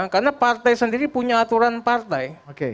karena partai sendiri punya aturan partai